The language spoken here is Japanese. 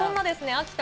秋田。